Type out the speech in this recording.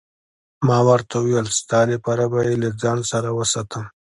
ما ورته وویل: ستا لپاره به يې له ځان سره وساتم.